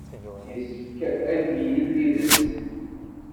Yessefk ad d-yini tidet.